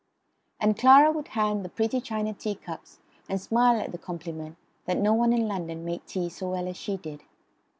And Clara would hand the pretty china teacups, and smile at the compliment that no one in London made tea so well as she did.